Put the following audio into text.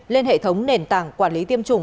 lên hệ thống nền tảng quản lý tiêm chủng